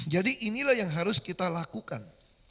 jadi inilah yang harus kita lakukan